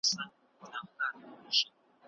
فزیکي پرمختګ د رواني پرمختګ سره تړلی دی.